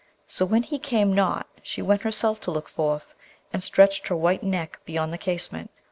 So, when he came not she went herself to look forth, and stretched her white neck beyond the casement.